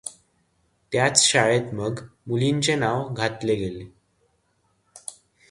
त्याच शाळेत मग मुलींचे नाव घातले गेले.